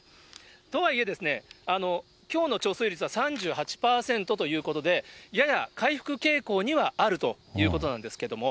とはいえ、きょうの貯水率は３８％ということで、やや回復傾向にはあるということなんですけども。